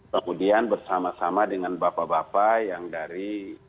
kemudian bersama sama dengan bapak bapak yang dari